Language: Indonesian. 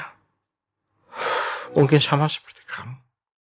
mungkin sama seperti kamu